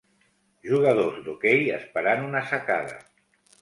Jugadors d'hoquei esperant una sacada.